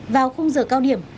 vào khung giờ cao điểm